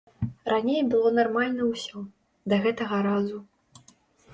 Раней было нармальна ўсё, да гэтага разу.